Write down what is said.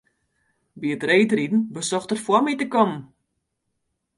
By it reedriden besocht er foar my te kommen.